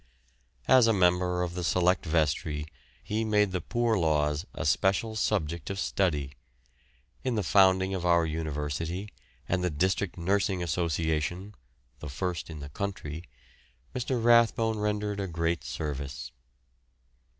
As a member of the Select Vestry he made the poor laws a special subject of study. In the founding of our University, and the District Nursing Association (the first in the country) Mr. Rathbone rendered a great service.